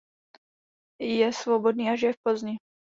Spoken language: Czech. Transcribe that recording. Je svobodný a žije v Plzni.